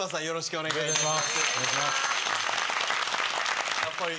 お願いします。